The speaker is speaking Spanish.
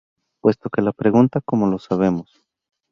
Puesto que la pregunta "¿Cómo lo sabemos?